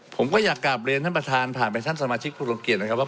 ผมก็อยากกลับเรียนท่านประธานผ่านไปท่านสมาชิกผู้ทรงเกียจนะครับว่า